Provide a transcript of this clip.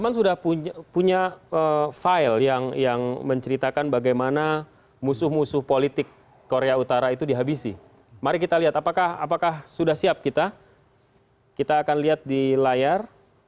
kita sudah punya file yang menceritakan bagaimana musuh musuh politik korea utara itu dihabisi mari kita lihat apakah sudah siap kita kita akan lihat di layar